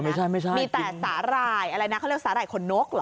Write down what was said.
ไม่ใช่มีแต่สาหร่ายอะไรนะเขาเรียกสาหร่ายคนโน๊กหรอ